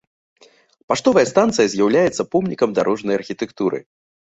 Паштовая станцыя з'яўляецца помнікам дарожнай архітэктуры.